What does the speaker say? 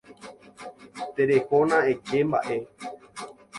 Terehóna eke mba'e.